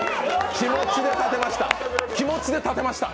気持ちで立てました。